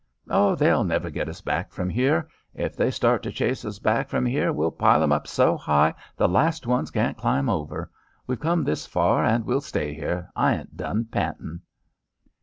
"Oh, they'll never git us back from here. If they start to chase us back from here we'll pile 'em up so high the last ones can't climb over. We've come this far, an' we'll stay here. I ain't done pantin'."